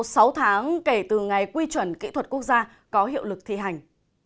sau sáu tháng kể từ ngày quy chuẩn kỹ thuật quốc gia có hiệu lực thi hành